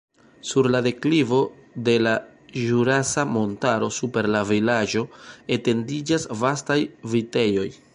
Sur la deklivo de la Ĵurasa Montaro super la vilaĝo etendiĝas vastaj vitejoj.